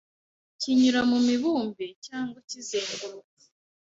kinyura mumibumbe cyangwa kizenguruka